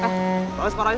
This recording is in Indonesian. eh bawa separuh aja